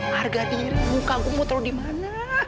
harga diri muka gue mau terlalu di mana